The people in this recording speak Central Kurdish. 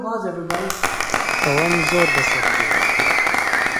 ئەوەم زۆر بەسەر دێت.